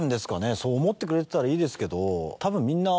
そう思ってくれてたらいいですけど。